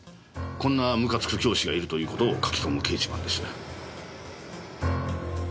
こんなムカつく教師がいるという事を書き込む掲示板です。